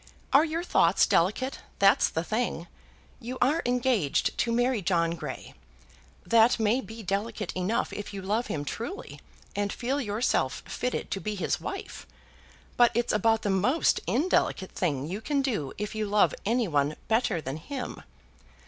Are your thoughts delicate? that's the thing. You are engaged to marry John Grey. That may be delicate enough if you love him truly, and feel yourself fitted to be his wife; but it's about the most indelicate thing you can do, if you love any one better than him.